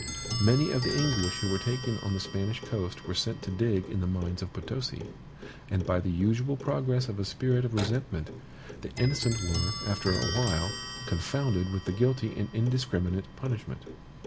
Many of the English who were taken on the Spanish coast were sent to dig in the mines of Potosi; and by the usual progress of a spirit of resentment, the innocent were, after a while, confounded with the guilty in indiscriminate punishment.